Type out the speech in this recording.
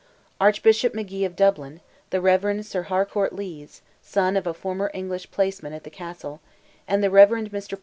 Archbishop Magee of Dublin, the Rev. Sir Harcourt Lees, son of a former English placeman at the Castle, and the Rev. Mr.